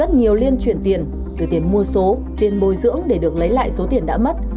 rất nhiều liên chuyển tiền từ tiền mua số tiền bồi dưỡng để được lấy lại số tiền đã mất